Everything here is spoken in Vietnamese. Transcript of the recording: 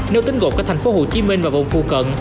nếu tính gồm cả thành phố hồ chí minh và vùng phù cận